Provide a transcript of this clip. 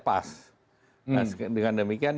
pas nah dengan demikian